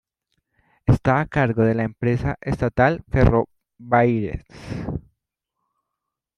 Está a cargo de la empresa estatal Ferrobaires.